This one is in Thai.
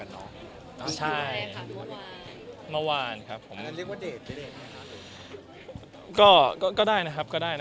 ต้องหาเวลาว่างเจออยู่สยามกับเจ้าเอง